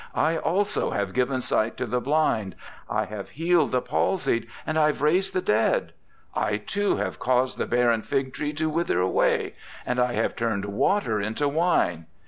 I also have given sight to the blind, I have healed the palsied, and I have raised the dead; I, too, have caused the barren fig tree to wither away, and I have turned water into wine.